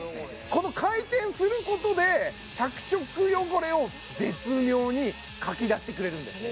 この回転することで着色汚れを絶妙にかき出してくれるんです